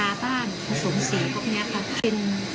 การทาบ้านอุปสรรค์ส่วงสีต่างมือนี้